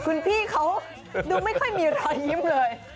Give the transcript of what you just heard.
คุณพี่เขาดูไม่ค่อยมีรอยยิ้มเลย